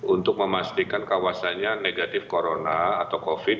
untuk memastikan kawasannya negatif corona atau covid